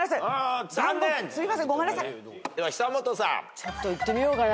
ちょっといってみようかな。